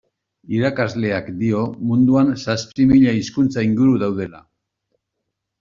Irakasleak dio munduan zazpi mila hizkuntza inguru daudela.